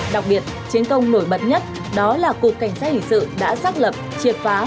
đặc biệt chiến công nổi bật nhất đó là cục cảnh sát hình sự đã xác lập triệt phá